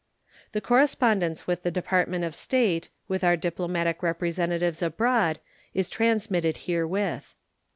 The correspondence of the Department of State with our diplomatic representatives abroad is transmitted herewith.